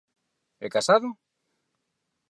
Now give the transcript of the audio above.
E Casado?